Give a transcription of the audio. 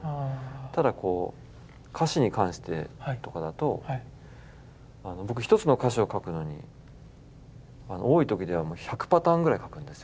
ただこう歌詞に関してとかだと僕１つの歌詞を書くのに多い時では１００パターンぐらい書くんです。